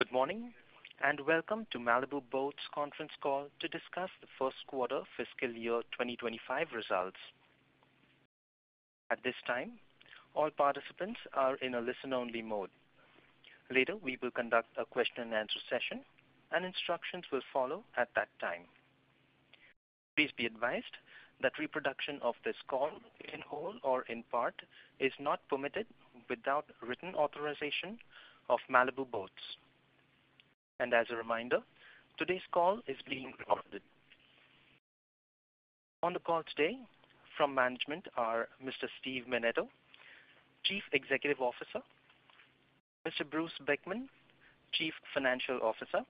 Good morning and welcome to Malibu Boats conference call to discuss the first quarter fiscal year 2025 results. At this time, all participants are in a listen-only mode. Later, we will conduct a question-and-answer session, and instructions will follow at that time. Please be advised that reproduction of this call in whole or in part is not permitted without written authorization of Malibu Boats. And as a reminder, today's call is being recorded. On the call today from management are Mr. Steve Menneto, Chief Executive Officer, Mr. Bruce Beckman, Chief Financial Officer,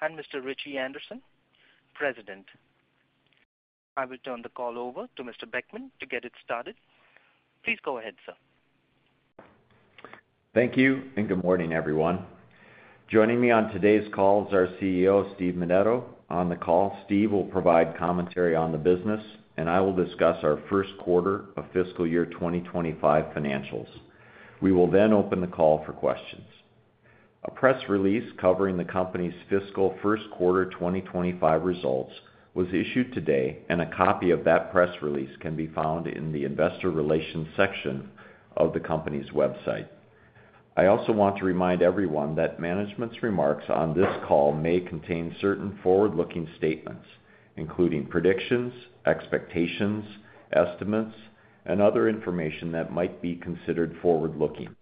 and Mr. Ritchie Anderson, President. I will turn the call over to Mr. Beckman to get it started. Please go ahead, sir. Thank you and good morning, everyone. Joining me on today's call is our CEO, Steve Menneto. On the call, Steve will provide commentary on the business, and I will discuss our first quarter of fiscal year 2025 financials. We will then open the call for questions. A press release covering the company's fiscal first quarter 2025 results was issued today, and a copy of that press release can be found in the investor relations section of the company's website. I also want to remind everyone that management's remarks on this call may contain certain forward-looking statements, including predictions, expectations, estimates, and other information that might be considered forward-looking,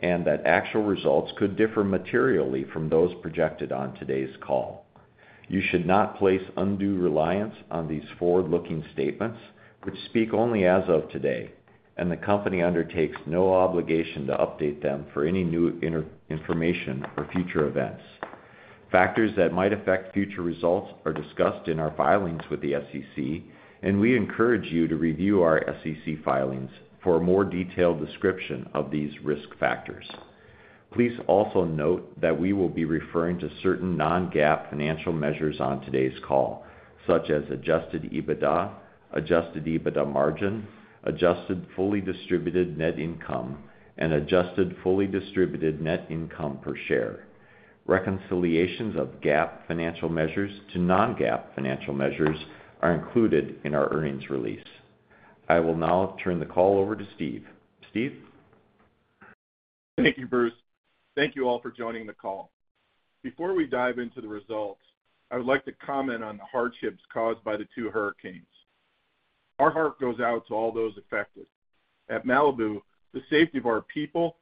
and that actual results could differ materially from those projected on today's call. You should not place undue reliance on these forward-looking statements, which speak only as of today, and the company undertakes no obligation to update them for any new information or future events. Factors that might affect future results are discussed in our filings with the SEC, and we encourage you to review our SEC filings for a more detailed description of these risk factors. Please also note that we will be referring to certain non-GAAP financial measures on today's call, such as Adjusted EBITDA, Adjusted EBITDA Margin, Adjusted Fully Distributed Net Income, and Adjusted Fully Distributed Net Income per share. Reconciliations of GAAP financial measures to non-GAAP financial measures are included in our earnings release. I will now turn the call over to Steve. Steve? Thank you, Bruce. Thank you all for joining the call. Before we dive into the results, I would like to comment on the hardships caused by the two hurricanes. Our heart goes out to all those affected. At Malibu, the safety of our people,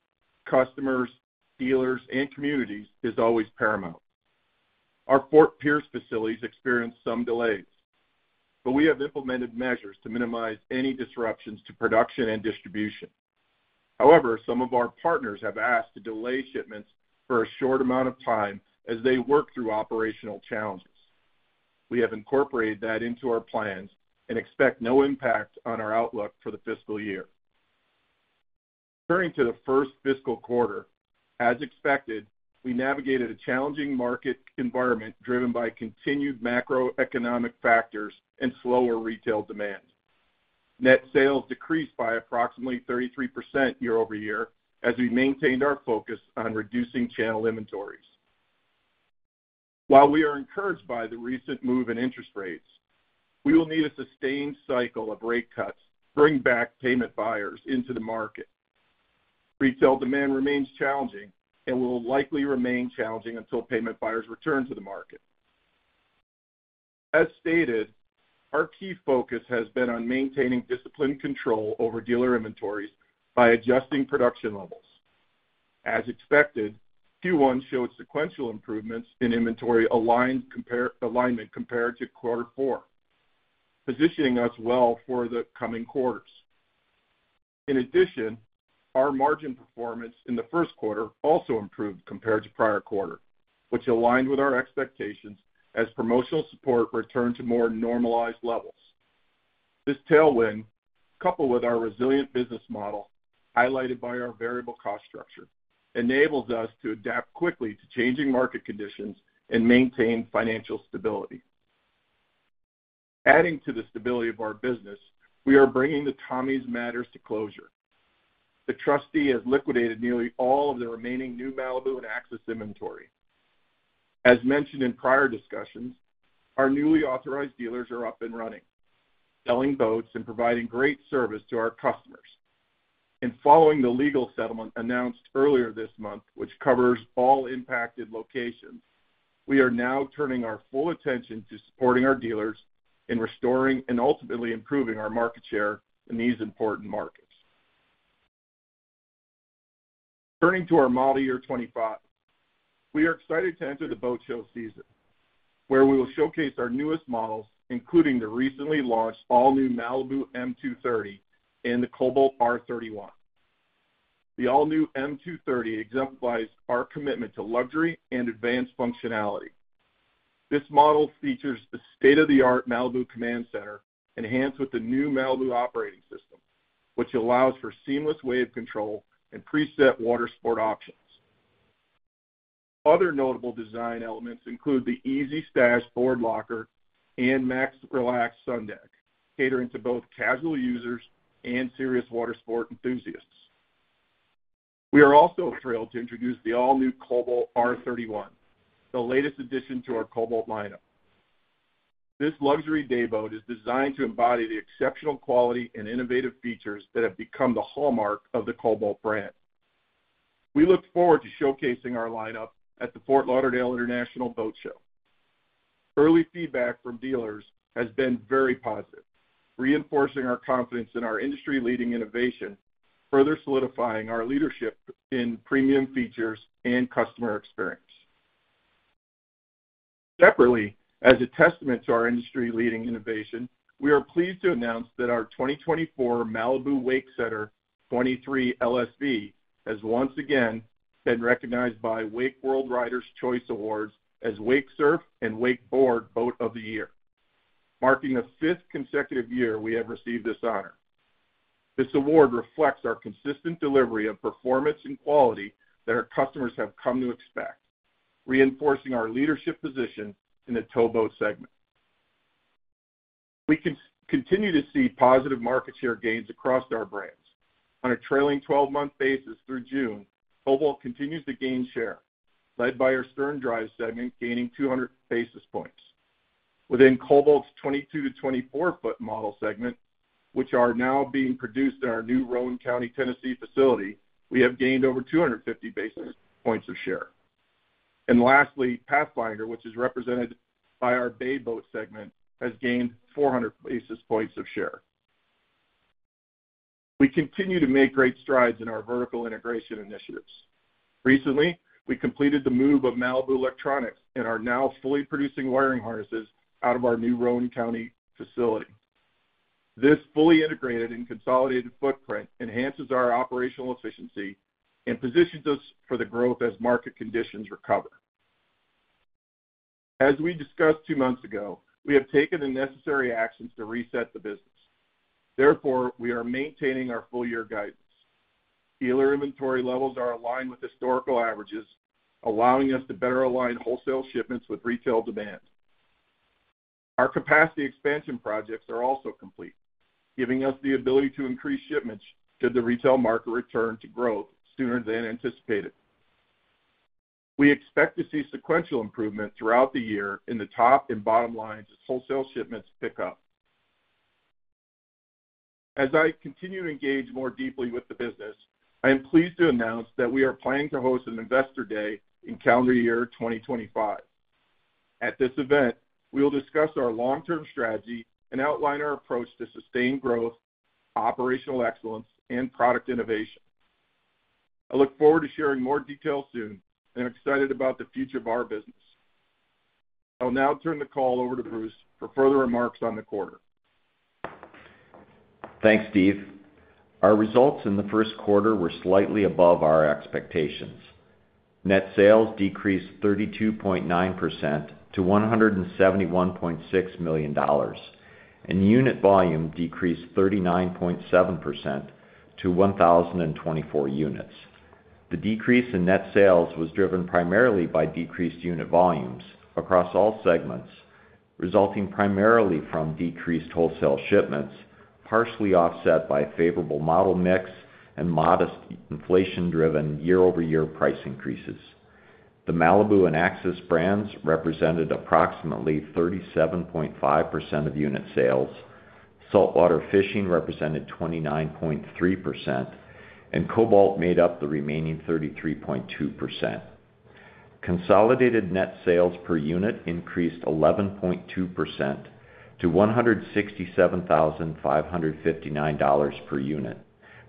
customers, dealers, and communities is always paramount. Our Fort Pierce facilities experienced some delays, but we have implemented measures to minimize any disruptions to production and distribution. However, some of our partners have asked to delay shipments for a short amount of time as they work through operational challenges. We have incorporated that into our plans and expect no impact on our outlook for the fiscal year. Turning to the first fiscal quarter, as expected, we navigated a challenging market environment driven by continued macroeconomic factors and slower retail demand. Net sales decreased by approximately 33% year-over-year as we maintained our focus on reducing channel inventories. While we are encouraged by the recent move in interest rates, we will need a sustained cycle of rate cuts to bring back payment buyers into the market. Retail demand remains challenging and will likely remain challenging until payment buyers return to the market. As stated, our key focus has been on maintaining discipline control over dealer inventories by adjusting production levels. As expected, Q1 showed sequential improvements in inventory alignment compared to quarter four, positioning us well for the coming quarters. In addition, our margin performance in the first quarter also improved compared to prior quarter, which aligned with our expectations as promotional support returned to more normalized levels. This tailwind, coupled with our resilient business model highlighted by our variable cost structure, enables us to adapt quickly to changing market conditions and maintain financial stability. Adding to the stability of our business, we are bringing the Tommy's Boats to closure. The trustee has liquidated nearly all of the remaining new Malibu and Axis inventory. As mentioned in prior discussions, our newly authorized dealers are up and running, selling boats and providing great service to our customers. In following the legal settlement announced earlier this month, which covers all impacted locations, we are now turning our full attention to supporting our dealers in restoring and ultimately improving our market share in these important markets. Turning to our Model Year 2025, we are excited to enter the boat show season, where we will showcase our newest models, including the recently launched all-new Malibu M230 and the Cobalt R31. The all-new M230 exemplifies our commitment to luxury and advanced functionality. This model features the state-of-the-art Malibu Command Center, enhanced with the new Malibu Operating System, which allows for seamless wave control and preset water sport options. Other notable design elements include the EZ Stash Board Locker and MaxRelax Sundeck, catering to both casual users and serious water sport enthusiasts. We are also thrilled to introduce the all-new Cobalt R31, the latest addition to our Cobalt lineup. This luxury day boat is designed to embody the exceptional quality and innovative features that have become the hallmark of the Cobalt brand. We look forward to showcasing our lineup at the Fort Lauderdale International Boat Show. Early feedback from dealers has been very positive, reinforcing our confidence in our industry-leading innovation, further solidifying our leadership in premium features and customer experience. Separately, as a testament to our industry-leading innovation, we are pleased to announce that our 2024 Malibu Wakesetter 23 LSV has once again been recognized by WakeWorld Riders' Choice Awards as Wakesurf and Wakeboard Boat of the Year, marking the fifth consecutive year we have received this honor. This award reflects our consistent delivery of performance and quality that our customers have come to expect, reinforcing our leadership position in the towboat segment. We continue to see positive market share gains across our brands. On a trailing 12-month basis through June, Cobalt continues to gain share, led by our sterndrive segment gaining 200 basis points. Within Cobalt's 22- to 24-foot model segment, which are now being produced in our new Roane County, Tennessee facility, we have gained over 250 basis points of share. Lastly, Pathfinder, which is represented by our bay boat segment, has gained 400 basis points of share. We continue to make great strides in our vertical integration initiatives. Recently, we completed the move of Malibu Electronics and are now fully producing wiring harnesses out of our new Roane County facility. This fully integrated and consolidated footprint enhances our operational efficiency and positions us for the growth as market conditions recover. As we discussed two months ago, we have taken the necessary actions to reset the business. Therefore, we are maintaining our full-year guidance. Dealer inventory levels are aligned with historical averages, allowing us to better align wholesale shipments with retail demand. Our capacity expansion projects are also complete, giving us the ability to increase shipments should the retail market return to growth sooner than anticipated. We expect to see sequential improvement throughout the year in the top and bottom lines as wholesale shipments pick up. As I continue to engage more deeply with the business, I am pleased to announce that we are planning to host an investor day in calendar year 2025. At this event, we will discuss our long-term strategy and outline our approach to sustained growth, operational excellence, and product innovation. I look forward to sharing more details soon and am excited about the future of our business. I'll now turn the call over to Bruce for further remarks on the quarter. Thanks, Steve. Our results in the first quarter were slightly above our expectations. Net sales decreased 32.9% to $171.6 million, and unit volume decreased 39.7% to 1,024 units. The decrease in net sales was driven primarily by decreased unit volumes across all segments, resulting primarily from decreased wholesale shipments, partially offset by a favorable model mix and modest inflation-driven year-over-year price increases. The Malibu and Axis brands represented approximately 37.5% of unit sales. Saltwater Fishing represented 29.3%, and Cobalt made up the remaining 33.2%. Consolidated net sales per unit increased 11.2% to $167,559 per unit,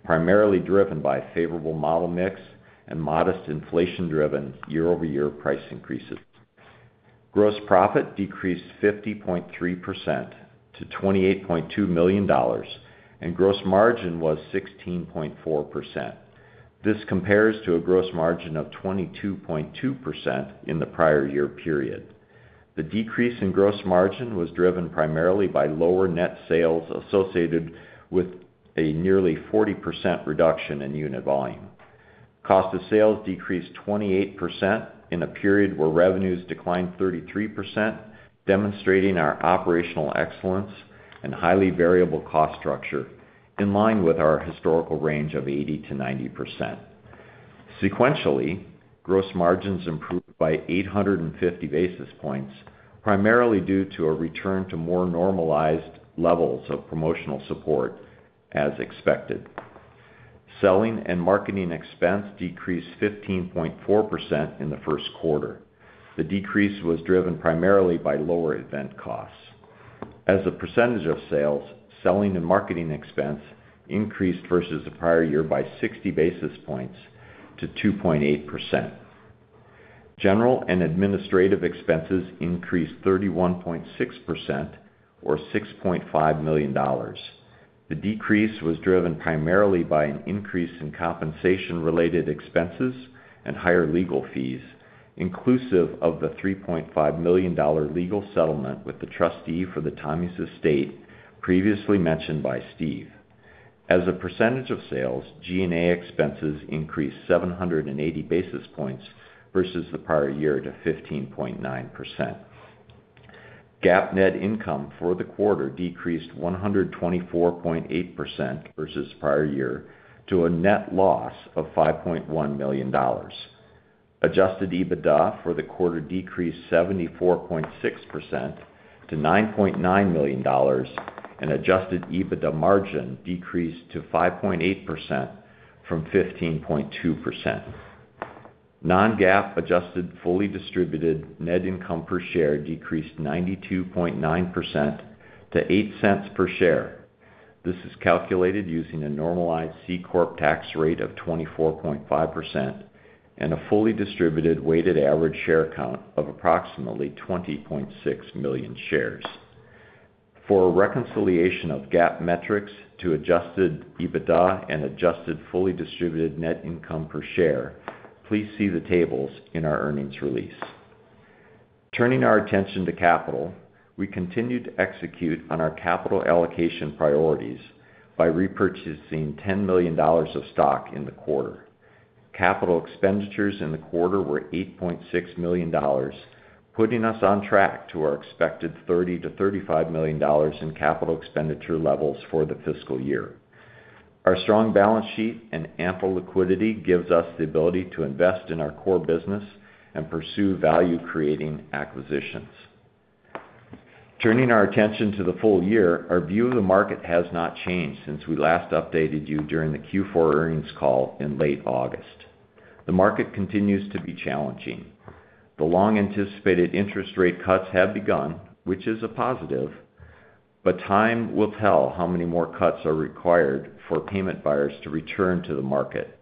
primarily driven by a favorable model mix and modest inflation-driven year-over-year price increases. Gross profit decreased 50.3% to $28.2 million, and gross margin was 16.4%. This compares to a gross margin of 22.2% in the prior year period. The decrease in gross margin was driven primarily by lower net sales associated with a nearly 40% reduction in unit volume. Cost of sales decreased 28% in a period where revenues declined 33%, demonstrating our operational excellence and highly variable cost structure in line with our historical range of 80%-90%. Sequentially, gross margins improved by 850 basis points, primarily due to a return to more normalized levels of promotional support, as expected. Selling and marketing expense decreased 15.4% in the first quarter. The decrease was driven primarily by lower event costs. As a percentage of sales, selling and marketing expense increased versus the prior year by 60 basis points to 2.8%. General and administrative expenses increased 31.6%, or $6.5 million. The decrease was driven primarily by an increase in compensation-related expenses and higher legal fees, inclusive of the $3.5 million legal settlement with the trustee for the Tommy's Estate, previously mentioned by Steve. As a percentage of sales, G&A expenses increased 780 basis points versus the prior year to 15.9%. GAAP net income for the quarter decreased 124.8% versus the prior year to a net loss of $5.1 million. Adjusted EBITDA for the quarter decreased 74.6% to $9.9 million, and adjusted EBITDA margin decreased to 5.8% from 15.2%. Non-GAAP adjusted fully distributed net income per share decreased 92.9% to $0.08 per share. This is calculated using a normalized C Corp tax rate of 24.5% and a fully distributed weighted average share count of approximately 20.6 million shares. For reconciliation of GAAP metrics to adjusted EBITDA and adjusted fully distributed net income per share, please see the tables in our earnings release. Turning our attention to capital, we continued to execute on our capital allocation priorities by repurchasing $10 million of stock in the quarter. Capital expenditures in the quarter were $8.6 million, putting us on track to our expected $30-$35 million in capital expenditure levels for the fiscal year. Our strong balance sheet and ample liquidity give us the ability to invest in our core business and pursue value-creating acquisitions. Turning our attention to the full year, our view of the market has not changed since we last updated you during the Q4 earnings call in late August. The market continues to be challenging. The long-anticipated interest rate cuts have begun, which is a positive, but time will tell how many more cuts are required for payment buyers to return to the market.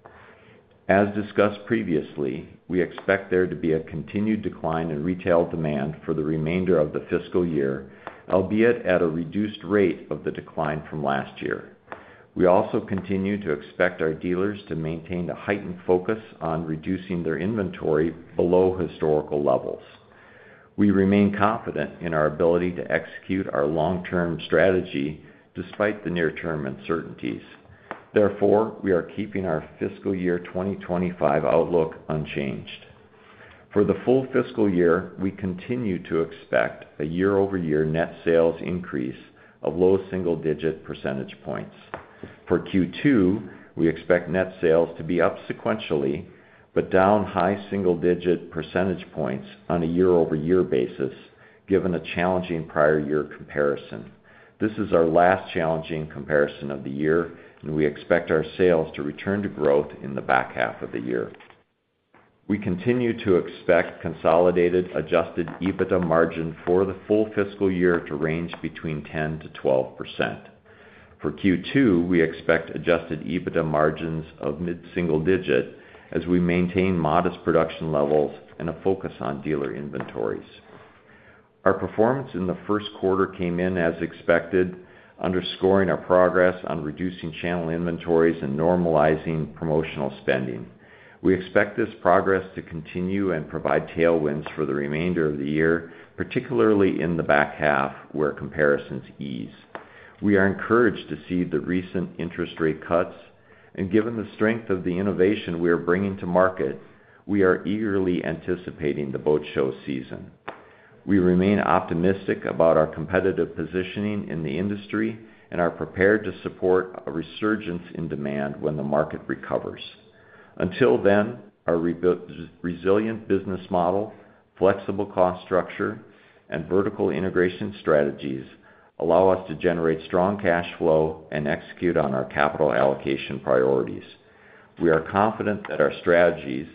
As discussed previously, we expect there to be a continued decline in retail demand for the remainder of the fiscal year, albeit at a reduced rate of the decline from last year. We also continue to expect our dealers to maintain a heightened focus on reducing their inventory below historical levels. We remain confident in our ability to execute our long-term strategy despite the near-term uncertainties. Therefore, we are keeping our fiscal year 2025 outlook unchanged. For the full fiscal year, we continue to expect a year-over-year net sales increase of low single-digit percentage points. For Q2, we expect net sales to be up sequentially but down high single-digit percentage points on a year-over-year basis, given a challenging prior year comparison. This is our last challenging comparison of the year, and we expect our sales to return to growth in the back half of the year. We continue to expect consolidated Adjusted EBITDA margin for the full fiscal year to range between 10 to 12%. For Q2, we expect Adjusted EBITDA margins of mid-single digit as we maintain modest production levels and a focus on dealer inventories. Our performance in the first quarter came in as expected, underscoring our progress on reducing channel inventories and normalizing promotional spending. We expect this progress to continue and provide tailwinds for the remainder of the year, particularly in the back half where comparisons ease. We are encouraged to see the recent interest rate cuts, and given the strength of the innovation we are bringing to market, we are eagerly anticipating the boat show season. We remain optimistic about our competitive positioning in the industry and are prepared to support a resurgence in demand when the market recovers. Until then, our resilient business model, flexible cost structure, and vertical integration strategies allow us to generate strong cash flow and execute on our capital allocation priorities. We are confident that our strategies,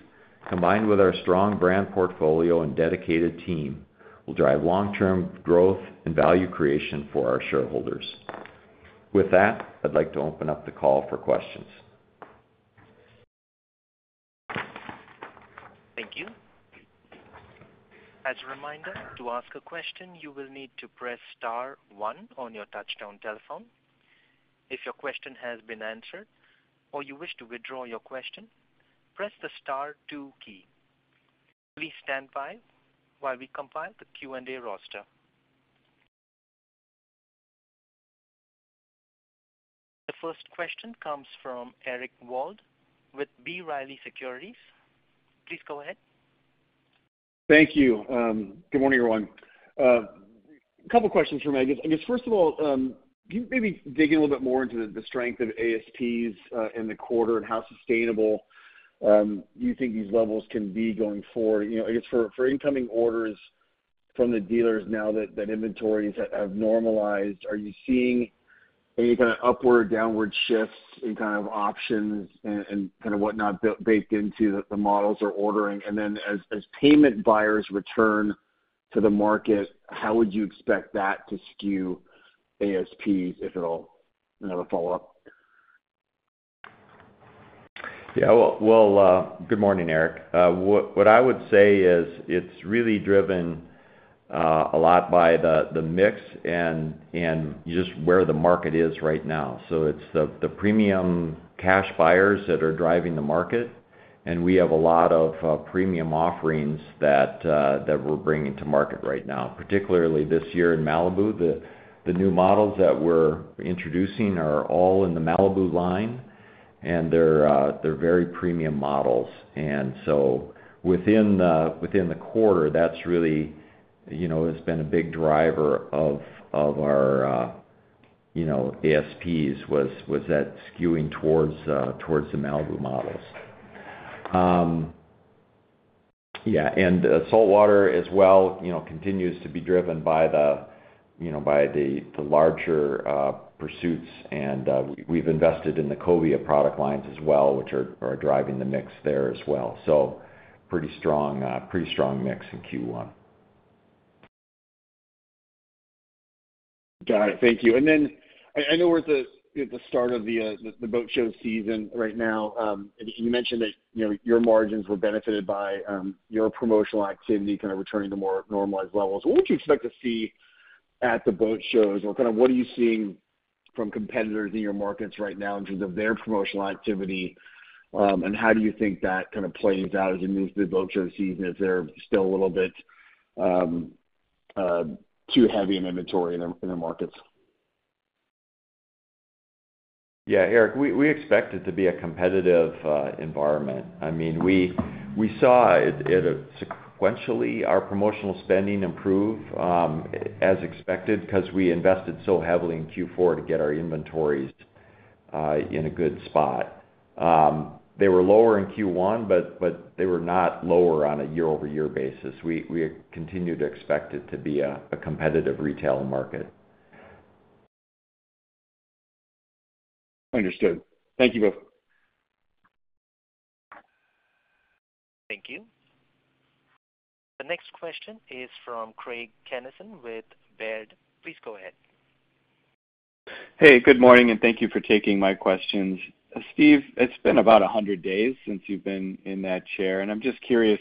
combined with our strong brand portfolio and dedicated team, will drive long-term growth and value creation for our shareholders. With that, I'd like to open up the call for questions. Thank you. As a reminder, to ask a question, you will need to press star one on your touch-tone telephone. If your question has been answered or you wish to withdraw your question, press the star two key. Please stand by while we compile the Q&A roster. The first question comes from Eric Wold with B. Riley Securities. Please go ahead. Thank you. Good morning, everyone. A couple of questions for me. I guess, first of all, can you maybe dig in a little bit more into the strength of ASPs in the quarter and how sustainable you think these levels can be going forward? I guess for incoming orders from the dealers now that inventories have normalized, are you seeing any kind of upward, downward shifts in kind of options and kind of whatnot baked into the models or ordering? And then as payment buyers return to the market, how would you expect that to skew ASPs, if at all? Another follow-up. Yeah. Well, good morning, Eric. What I would say is it's really driven a lot by the mix and just where the market is right now. So it's the premium cash buyers that are driving the market, and we have a lot of premium offerings that we're bringing to market right now, particularly this year in Malibu. The new models that we're introducing are all in the Malibu line, and they're very premium models. And so within the quarter, that's really has been a big driver of our ASPs was that skewing towards the Malibu models. Yeah. And Saltwater as well continues to be driven by the larger Pursuit, and we've invested in the Cobia product lines as well, which are driving the mix there as well. So pretty strong mix in Q1. Got it. Thank you, and then I know we're at the start of the boat show season right now. You mentioned that your margins were benefited by your promotional activity kind of returning to more normalized levels. What would you expect to see at the boat shows, or kind of what are you seeing from competitors in your markets right now in terms of their promotional activity, and how do you think that kind of plays out as it moves through the boat show season if they're still a little bit too heavy in inventory in their markets? Yeah, Eric, we expect it to be a competitive environment. I mean, we saw sequentially our promotional spending improve as expected because we invested so heavily in Q4 to get our inventories in a good spot. They were lower in Q1, but they were not lower on a year-over-year basis. We continue to expect it to be a competitive retail market. Understood. Thank you both. Thank you. The next question is from Craig Kennison with Baird. Please go ahead. Hey, good morning, and thank you for taking my questions. Steve, it's been about 100 days since you've been in that chair, and I'm just curious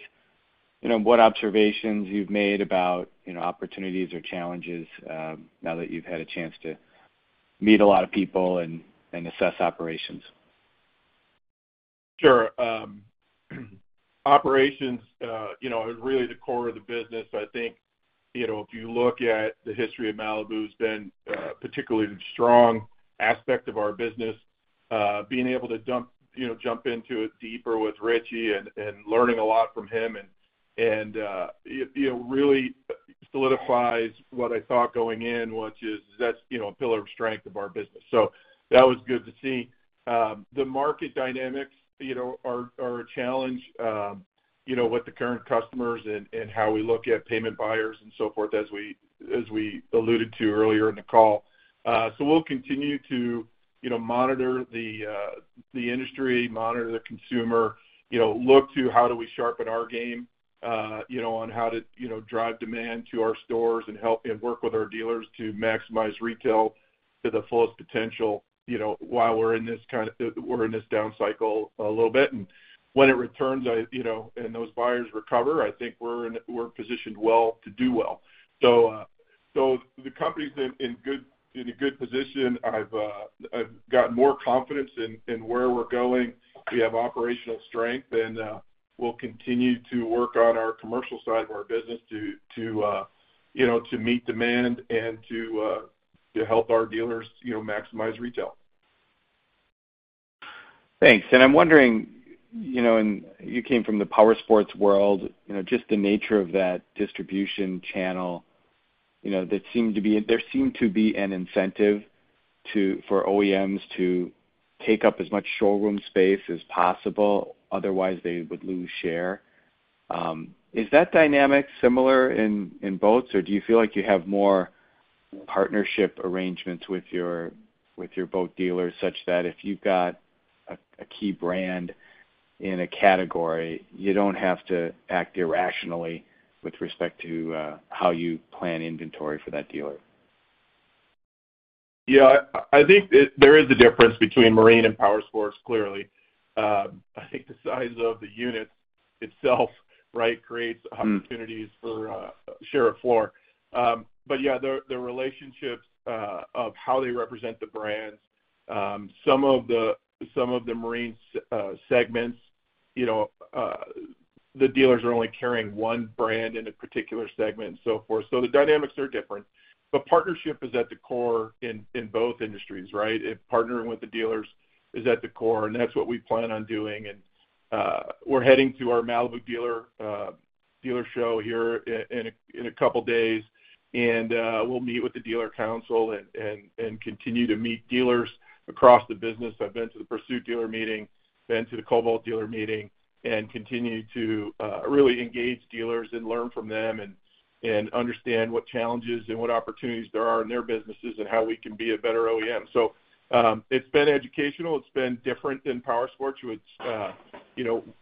what observations you've made about opportunities or challenges now that you've had a chance to meet a lot of people and assess operations. Sure. Operations is really the core of the business. I think if you look at the history of Malibu, it's been a particularly strong aspect of our business. Being able to jump into it deeper with Ritchie and learning a lot from him really solidifies what I thought going in, which is a pillar of strength of our business. So that was good to see. The market dynamics are a challenge with the current customers and how we look at payment buyers and so forth, as we alluded to earlier in the call. So we'll continue to monitor the industry, monitor the consumer, look to how do we sharpen our game on how to drive demand to our stores and work with our dealers to maximize retail to the fullest potential while we're in this kind of down cycle a little bit. And when it returns and those buyers recover, I think we're positioned well to do well. So the company's in a good position. I've got more confidence in where we're going. We have operational strength, and we'll continue to work on our commercial side of our business to meet demand and to help our dealers maximize retail. Thanks. And I'm wondering, and you came from the power sports world, just the nature of that distribution channel, there seemed to be an incentive for OEMs to take up as much showroom space as possible. Otherwise, they would lose share. Is that dynamic similar in boats, or do you feel like you have more partnership arrangements with your boat dealers such that if you've got a key brand in a category, you don't have to act irrationally with respect to how you plan inventory for that dealer? Yeah. I think there is a difference between marine and power sports, clearly. I think the size of the unit itself creates opportunities for share of floor. But yeah, the relationships of how they represent the brands, some of the marine segments, the dealers are only carrying one brand in a particular segment and so forth. So the dynamics are different. But partnership is at the core in both industries, right? Partnering with the dealers is at the core, and that's what we plan on doing. And we're heading to our Malibu dealer show here in a couple of days, and we'll meet with the dealer council and continue to meet dealers across the business. I've been to the Pursuit dealer meeting, been to the Cobalt dealer meeting, and continue to really engage dealers and learn from them and understand what challenges and what opportunities there are in their businesses and how we can be a better OEM. So it's been educational. It's been different than power sports, which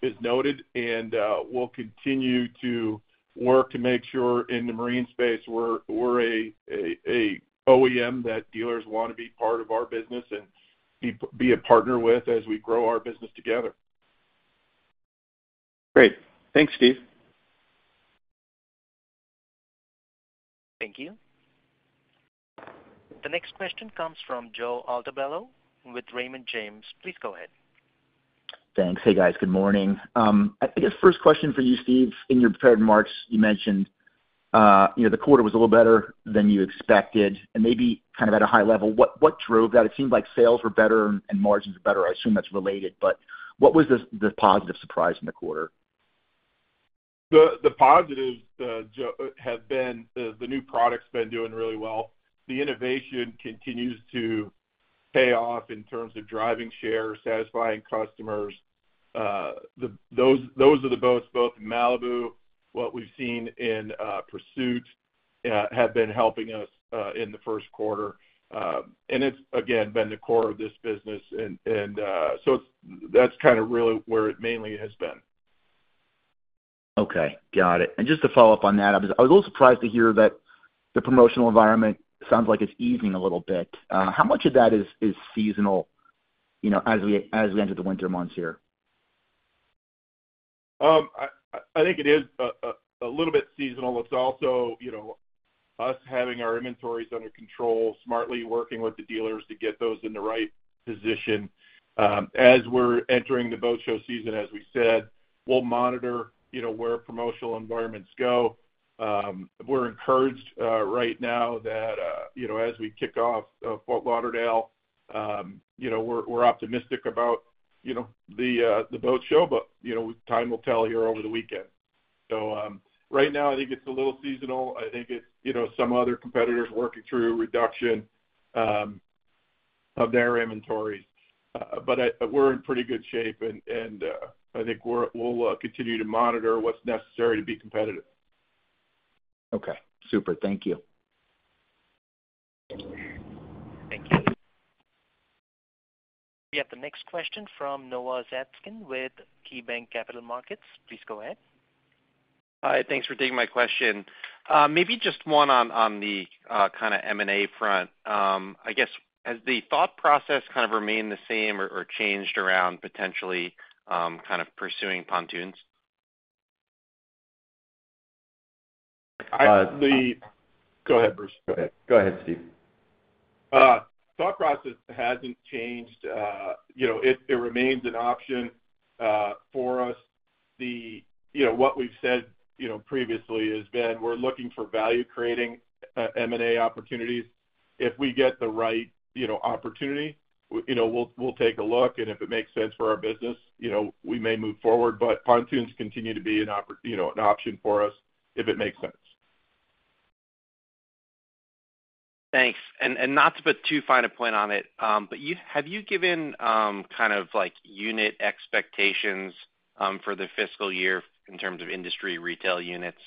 is noted, and we'll continue to work to make sure in the marine space we're an OEM that dealers want to be part of our business and be a partner with as we grow our business together. Great. Thanks, Steve. Thank you. The next question comes from Joe Altobello with Raymond James. Please go ahead. Thanks. Hey, guys. Good morning. I guess first question for you, Steve. In your prepared remarks, you mentioned the quarter was a little better than you expected, and maybe kind of at a high level, what drove that? It seemed like sales were better and margins were better. I assume that's related, but what was the positive surprise in the quarter? The positives have been the new products have been doing really well. The innovation continues to pay off in terms of driving share, satisfying customers. Those are the boats. Both Malibu, what we've seen in Pursuit have been helping us in the first quarter. And it's, again, been the core of this business. And so that's kind of really where it mainly has been. Okay. Got it. And just to follow up on that, I was a little surprised to hear that the promotional environment sounds like it's easing a little bit. How much of that is seasonal as we enter the winter months here? I think it is a little bit seasonal. It's also us having our inventories under control, smartly working with the dealers to get those in the right position. As we're entering the boat show season, as we said, we'll monitor where promotional environments go. We're encouraged right now that as we kick off Fort Lauderdale, we're optimistic about the boat show, but time will tell here over the weekend. So right now, I think it's a little seasonal. I think it's some other competitors working through reduction of their inventories, but we're in pretty good shape, and I think we'll continue to monitor what's necessary to be competitive. Okay. Super. Thank you. Thank you. We have the next question from Noah Zatzkin with KeyBank Capital Markets. Please go ahead. Hi. Thanks for taking my question. Maybe just one on the kind of M&A front. I guess, has the thought process kind of remained the same or changed around potentially kind of pursuing pontoons? Go ahead, Bruce. Go ahead, Steve. Thought process hasn't changed. It remains an option for us. What we've said previously has been we're looking for value-creating M&A opportunities. If we get the right opportunity, we'll take a look, and if it makes sense for our business, we may move forward, but pontoons continue to be an option for us if it makes sense. Thanks. And not to put too fine a point on it, but have you given kind of unit expectations for the fiscal year in terms of industry retail units?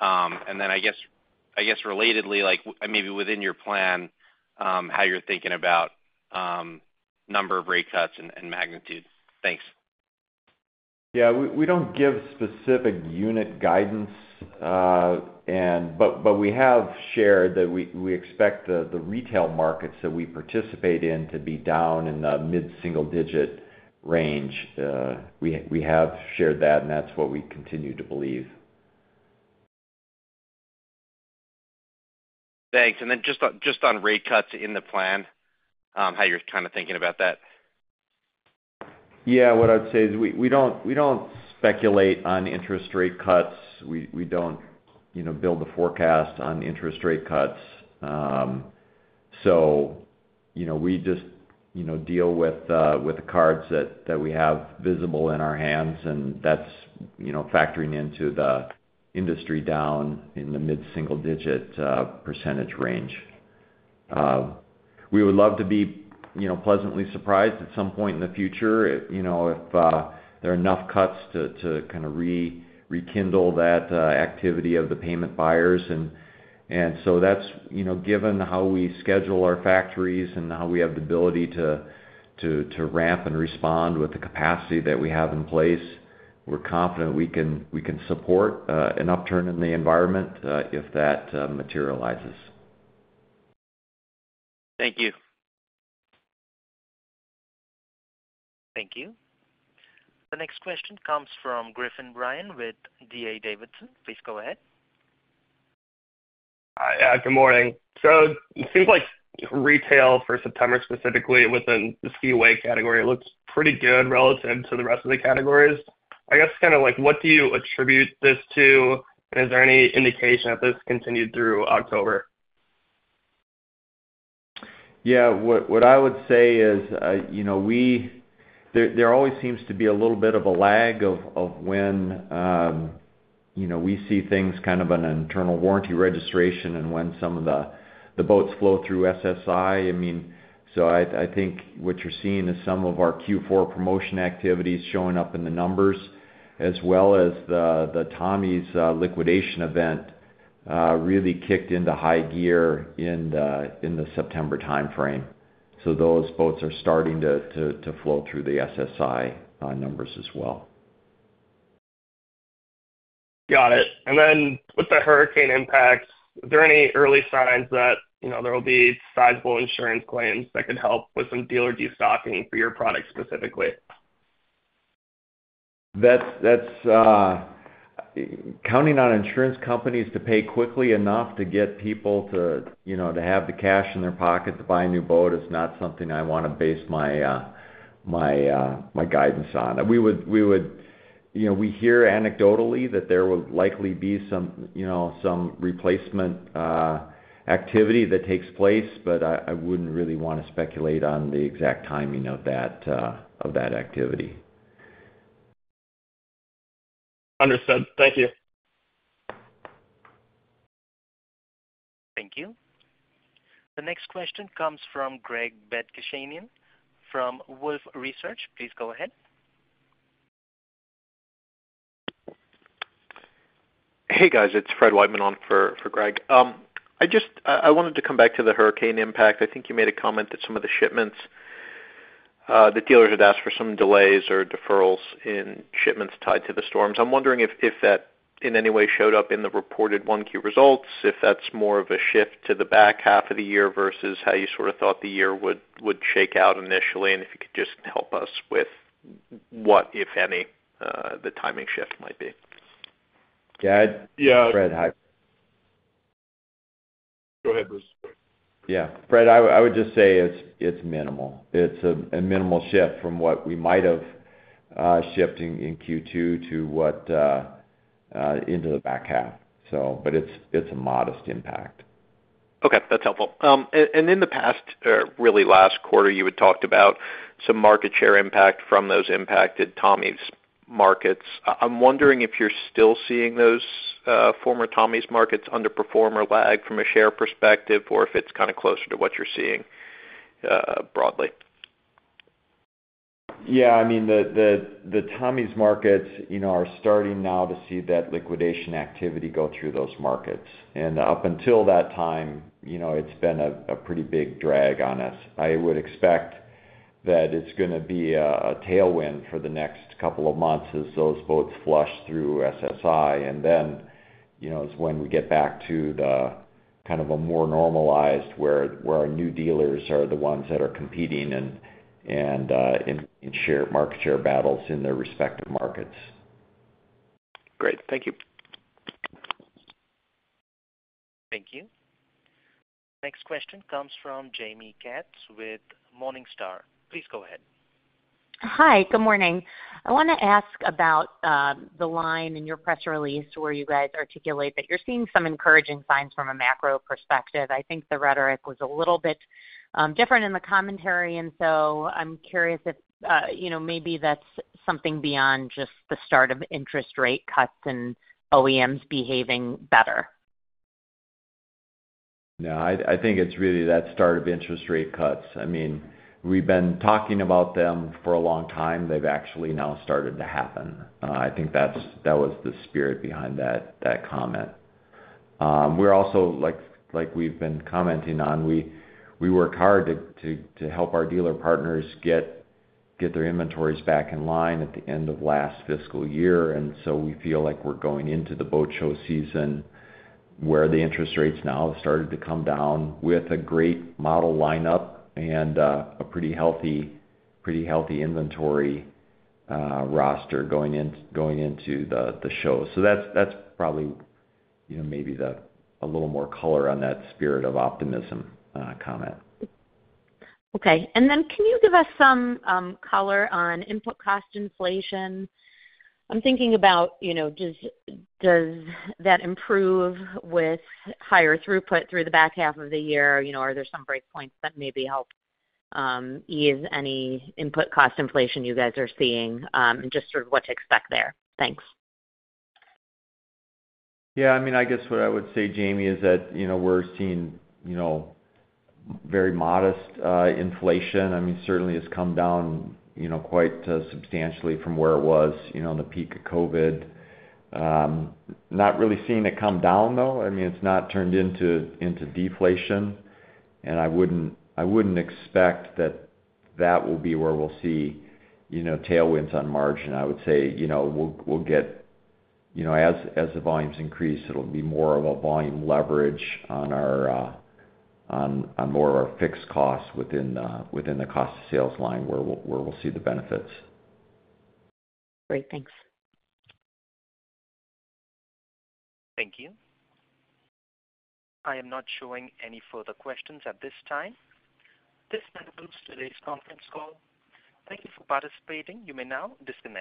And then I guess relatedly, maybe within your plan, how you're thinking about number of rate cuts and magnitude? Thanks. Yeah. We don't give specific unit guidance, but we have shared that we expect the retail markets that we participate in to be down in the mid-single-digit range. We have shared that, and that's what we continue to believe. Thanks. And then just on rate cuts in the plan, how you're kind of thinking about that? Yeah. What I'd say is we don't speculate on interest rate cuts. We don't build a forecast on interest rate cuts. So we just deal with the cards that we have visible in our hands, and that's factoring into the industry down in the mid-single-digit % range. We would love to be pleasantly surprised at some point in the future if there are enough cuts to kind of rekindle that activity of the payment buyers. And so that's given how we schedule our factories and how we have the ability to ramp and respond with the capacity that we have in place. We're confident we can support an upturn in the environment if that materializes. Thank you. Thank you. The next question comes from Griffin Bryan with D.A. Davidson. Please go ahead. Hi. Good morning. So it seems like retail for September specifically within the Cobia category looks pretty good relative to the rest of the categories. I guess kind of what do you attribute this to, and is there any indication that this continued through October? Yeah. What I would say is there always seems to be a little bit of a lag of when we see things kind of on an internal warranty registration and when some of the boats flow through SSI. I mean, so I think what you're seeing is some of our Q4 promotion activities showing up in the numbers, as well as the Tommy's liquidation event really kicked into high gear in the September timeframe. So those boats are starting to flow through the SSI numbers as well. Got it. And then with the hurricane impacts, are there any early signs that there will be sizable insurance claims that could help with some dealer destocking for your product specifically? Counting on insurance companies to pay quickly enough to get people to have the cash in their pocket to buy a new boat is not something I want to base my guidance on. We would hear anecdotally that there would likely be some replacement activity that takes place, but I wouldn't really want to speculate on the exact timing of that activity. Understood. Thank you. Thank you. The next question comes from Greg Badishkanian from Wolfe Research. Please go ahead. Hey, guys. It's Fred Wightman for Greg. I wanted to come back to the hurricane impact. I think you made a comment that some of the shipments, the dealers had asked for some delays or deferrals in shipments tied to the storms. I'm wondering if that in any way showed up in the reported Q1 results, if that's more of a shift to the back half of the year versus how you sort of thought the year would shake out initially, and if you could just help us with what, if any, the timing shift might be. Yeah. Yeah. Fred, hi. Go ahead, Bruce. Yeah. Fred, I would just say it's minimal. It's a minimal shift from what we might have shifting in Q2 to what into the back half. But it's a modest impact. Okay. That's helpful. And in the past, really last quarter, you had talked about some market share impact from those impacted Tommy's markets. I'm wondering if you're still seeing those former Tommy's markets underperform or lag from a share perspective, or if it's kind of closer to what you're seeing broadly? Yeah. I mean, the Tommy's markets are starting now to see that liquidation activity go through those markets. And up until that time, it's been a pretty big drag on us. I would expect that it's going to be a tailwind for the next couple of months as those boats flush through SSI, and then is when we get back to kind of a more normalized where our new dealers are the ones that are competing in market share battles in their respective markets. Great. Thank you. Thank you. The next question comes from Jamie Katz with Morningstar. Please go ahead. Hi. Good morning. I want to ask about the line in your press release where you guys articulate that you're seeing some encouraging signs from a macro perspective. I think the rhetoric was a little bit different in the commentary, and so I'm curious if maybe that's something beyond just the start of interest rate cuts and OEMs behaving better. No. I think it's really the start of interest rate cuts. I mean, we've been talking about them for a long time. They've actually now started to happen. I think that was the spirit behind that comment. We're also, like we've been commenting on, we work hard to help our dealer partners get their inventories back in line at the end of last fiscal year, and so we feel like we're going into the boat show season where the interest rates now have started to come down with a great model lineup and a pretty healthy inventory roster going into the show, so that's probably maybe a little more color on that spirit of optimism comment. Okay. And then can you give us some color on input cost inflation? I'm thinking about does that improve with higher throughput through the back half of the year? Are there some breakpoints that maybe help ease any input cost inflation you guys are seeing and just sort of what to expect there? Thanks. Yeah. I mean, I guess what I would say, Jamie, is that we're seeing very modest inflation. I mean, certainly it's come down quite substantially from where it was in the peak of COVID. Not really seeing it come down, though. I mean, it's not turned into deflation, and I wouldn't expect that that will be where we'll see tailwinds on margin. I would say we'll get, as the volumes increase, it'll be more of a volume leverage on more of our fixed costs within the cost of sales line where we'll see the benefits. Great. Thanks. Thank you. I am not showing any further questions at this time. This concludes today's conference call. Thank you for participating. You may now disconnect.